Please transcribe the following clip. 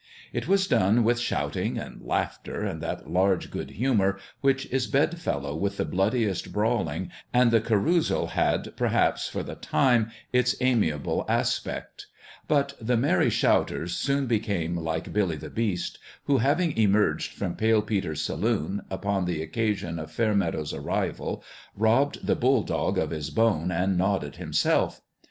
It was done with shouting and laughter and that large good humour which is bed fellow with the bloodiest brawling, and the carousal had, perhaps, for the time, its amiable aspect ; but the merry shouters soon became like Billy the Beast, who, having emerged from Pale Peter's saloon, upon the occasion of Fairmeadow's arrival, robbed the bulldog of his bone and gnawed it himself.